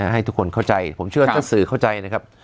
ให้ทุกคนเข้าใจผมเชื่อท่านสื่อเข้าใจนะครับ